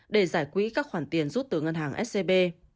để giải quyết các khoản tiền rút từ ngân hàng scb